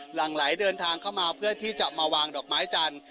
หลังไหลเดินทางเข้ามาเพื่อที่จะมาวางดอกไม้จันทร์